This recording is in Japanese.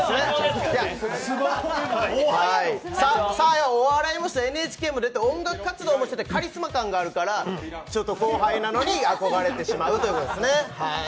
サーヤはお笑いもやるし、ＮＨＫも出て、音楽活動もしててカリスマ感があるから、後輩なのに、あこがれてしまうということですね。